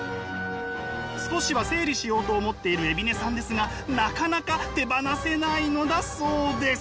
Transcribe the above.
少しは整理しようと思っている海老根さんですがなかなか手放せないのだそうです。